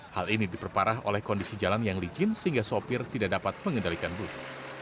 hal ini diperparah oleh kondisi jalan yang licin sehingga sopir tidak dapat mengendalikan bus